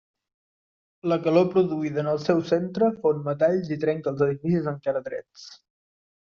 La calor produïda en el seu centre fon metalls i trenca els edificis encara drets.